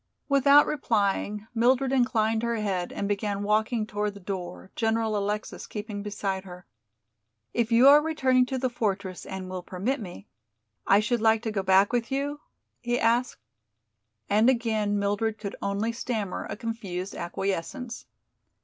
Without replying Mildred inclined her head and began walking toward the door, General Alexis keeping beside her. "If you are returning to the fortress and will permit me, I should like to go back with you?" he asked. And again Mildred could only stammer a confused acquiescence.